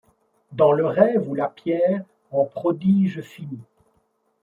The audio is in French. Dans le rêve, où la pierre en prodige finit